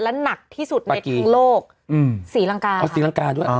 และหนักที่สุดในทั้งโลกอืมศรีลังกาอ๋อศรีลังกาด้วย